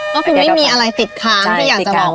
ก็คือไม่มีอะไรติดค้างที่อยากจะบอก